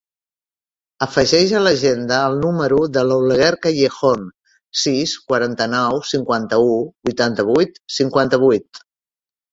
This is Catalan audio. Afegeix a l'agenda el número de l'Oleguer Callejon: sis, quaranta-nou, cinquanta-u, vuitanta-vuit, cinquanta-vuit.